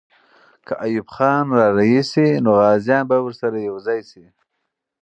که ایوب خان را رهي سي، نو غازیان به ورسره یو ځای سي.